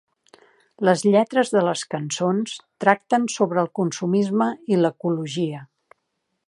Les lletres de les cançons tracten sobre el consumisme i l'ecologia.